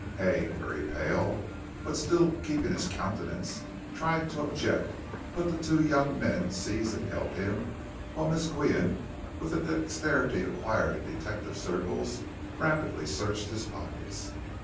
Hay, very pale, but still keeping his countenance, tried to object, but the two young men seized and held him, while Miss Qian, with a dexterity acquired in detective circles, rapidly searched his pockets.